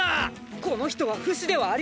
この人はフシではありません！！